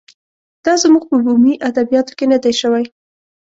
دا زموږ په بومي ادبیاتو کې نه دی شوی.